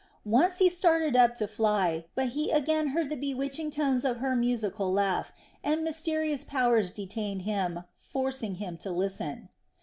Once he started up to fly, but he again heard the bewitching tones of her musical laugh, and mysterious powers detained him, forcing him to listen.